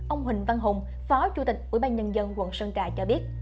ông huỳnh văn hùng phó chủ tịch ủy ban nhân dân quận sơn trà cho biết